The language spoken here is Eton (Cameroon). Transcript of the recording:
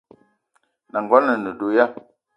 N’nagono a ne do ya ?